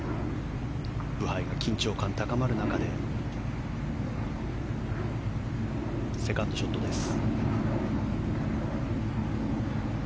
ブハイが緊張感高まる中でセカンドショットです。